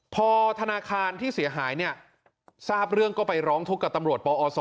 พอธนาคารที่เสียหายเนี่ยทราบเรื่องก็ไปร้องทุกข์กับตำรวจปอศ